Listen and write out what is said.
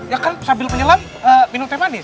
ya kan sambil menyelam minum teh manis